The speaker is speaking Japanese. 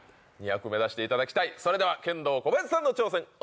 それではケンドーコバヤシさんの挑戦です。